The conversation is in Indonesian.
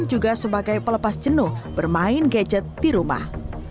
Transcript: juga sebagai pelepas jenuh bermain gadget di rumah